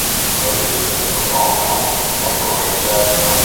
L'origine del toponimo è ancora incerta.